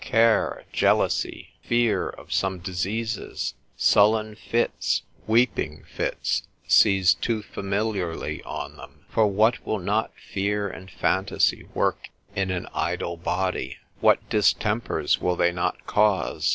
care, jealousy, fear of some diseases, sullen fits, weeping fits seize too familiarly on them. For what will not fear and phantasy work in an idle body? what distempers will they not cause?